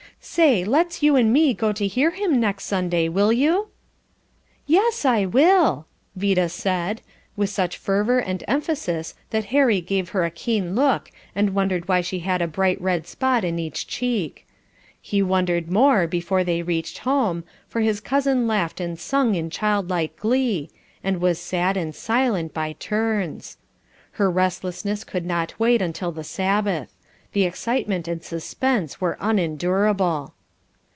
Say, let's you and me go to hear him next Sunday, will you?" "Yes, I will!" Vida said, with such fervour and emphasis that Harry gave her a keen look and wondered why she had a bright red spot in each cheek. He wondered more before they reached home, for his cousin laughed and sung in childlike glee, and was sad and silent by turns. Her restlessness could not wait until the Sabbath. The excitement and suspense were unendurable.